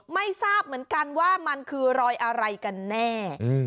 ไม่ทราบเหมือนกันว่ามันคือรอยอะไรกันแน่